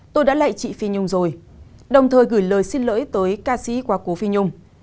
tôi đã lệ chị phi nhung rồi đồng thời gửi lời xin lỗi tới ca sĩ qua cố phi nhung